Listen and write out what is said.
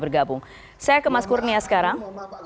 bergabung saya ke mas kurnia sekarang